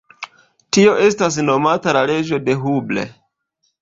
Tio estas nomata la leĝo de Hubble.